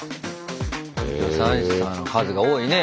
助産師さんの数が多いね